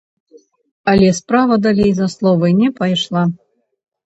Але справа далей за словы не пайшла.